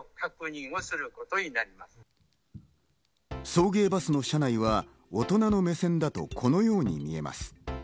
送迎バスの車内は、大人の目線だとこのように見えます。